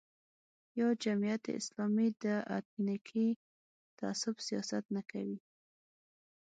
یا جمعیت اسلامي د اتنیکي تعصب سیاست نه کوي.